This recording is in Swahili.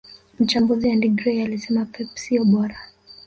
Mchambuzi Andy Gray alisema pep siyo bora